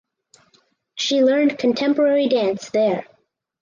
She learned contemporary dance there.